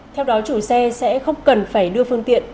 theo đó chủ xe sẽ không cần phải đưa phương tiện